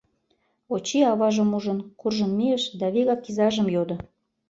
Очи, аважым ужын, куржын мийыш да вигак изажым йодо.